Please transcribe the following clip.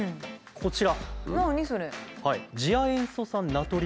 こちら。